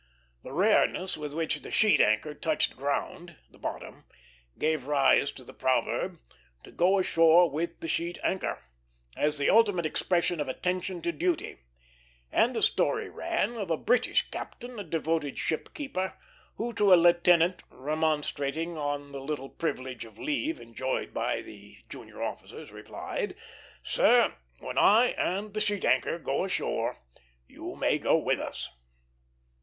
The rareness with which the sheet anchor touched ground (the bottom) gave rise to the proverb, "To go ashore with the sheet anchor," as the ultimate expression of attention to duty; and the story ran of a British captain, a devoted ship keeper, who, to a lieutenant remonstrating on the little privilege of leave enjoyed by the junior officers, replied: "Sir, when I and the sheet anchor go ashore, you may go with us."